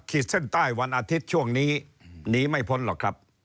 เส้นใต้วันอาทิตย์ช่วงนี้หนีไม่พ้นหรอกครับ